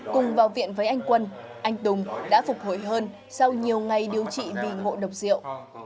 cùng vào viện với anh quân anh tùng đã phục hồi hơn sau nhiều ngày điều trị vì ngộ độc rượu